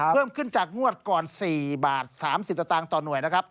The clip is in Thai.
เพิ่มขึ้นจากงวดก่อน๔บาท๓๐สตางค์ต่อหน่วยนะครับ